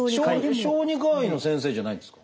小児科医の先生じゃないんですか？